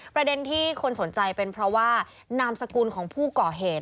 ประเด็นที่คนสนใจเป็นเพราะว่านามสกุลของผู้ก่อเหตุ